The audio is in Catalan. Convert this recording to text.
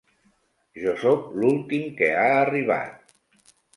Jo soc l'últim que ha arribat.